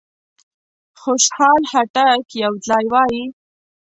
خوشحال خټک یو ځای وایي.